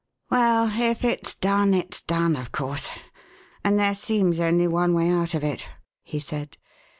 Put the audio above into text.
"Well, if it's done, it's done, of course; and there seems only one way out of it," he said.